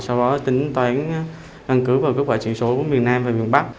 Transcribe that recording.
sau đó tính toán năng cứu và các quả truyền số của miền nam và miền bắc